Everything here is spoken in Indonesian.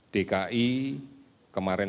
dki kemarin satu ratus sembilan belas